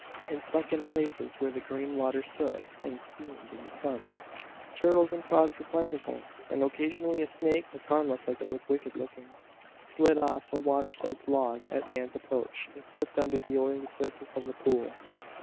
In sunken places where the green water stood and steamed in the sun, turtles and frogs were plentiful; and occasionally a snake, as harmless as it was wicked looking, slid off a water soaked log at Nan's approach and slipped under the oily surface of the pool.